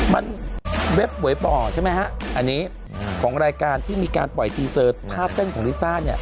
มันเว็บหวยบ่อใช่ไหมฮะอันนี้ของรายการที่มีการปล่อยทีเซอร์ท่าเต้นของลิซ่าเนี่ย